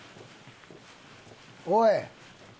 おい。